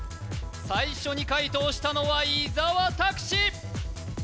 最初に解答したのは伊沢拓司